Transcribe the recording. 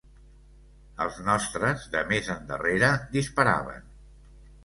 Els nostres de més endarrere disparaven